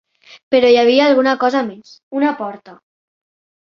Però hi havia alguna cosa més: una porta!